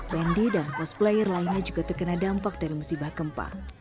wendy dan cosplayer lainnya juga terkena dampak dari musibah gempa